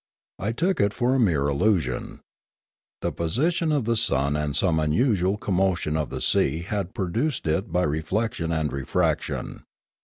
I took it for a mere illu sion. The position of the sun and some unusual com motion in the sea had produced it by reflection and refraction.